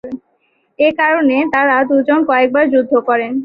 এ কারণে তারা দু'জন কয়েকবার যুদ্ধ করেন।